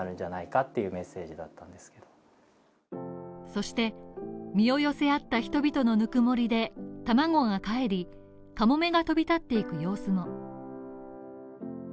そして、身を寄せ合った人々のぬくもりで卵がかえり、カモメが飛び立っていく様子も。